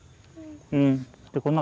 うん。